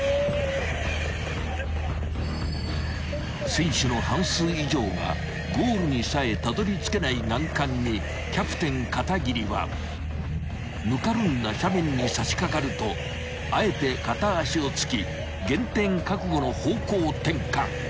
［選手の半数以上がゴールにさえたどりつけない難関にキャプテン片桐はぬかるんだ斜面にさしかかるとあえて片足をつき減点覚悟の方向転換］